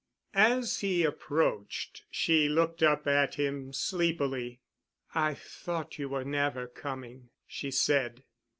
As he approached, she looked up at him sleepily. "I thought you were never coming," she said.